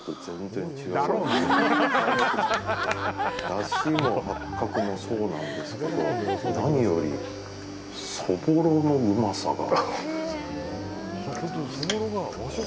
だしも八角もそうなんですけど何より、そぼろのうまさが。